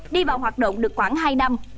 đi vào hoạt động được khoảng hai năm